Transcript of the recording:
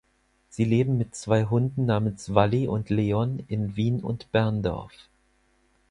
Sie leben mit zwei Hunden namens Wally und Leon in Wien und Berndorf.